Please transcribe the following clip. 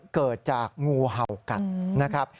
เกิดจากงูเห่ากัดนะครับ